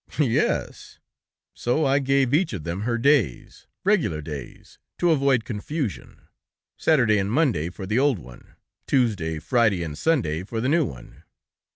"Yes; so I gave each of them her days, regular days, to avoid confusion; Saturday and Monday for the old one, Tuesday, Friday and Sunday for the new one."